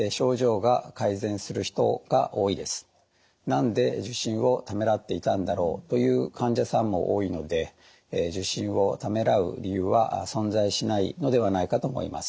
何で受診をためらっていたんだろうという患者さんも多いので受診をためらう理由は存在しないのではないかと思います。